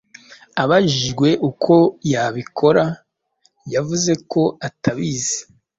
Abajijwe uko yabikora, yavuze ko atabizi.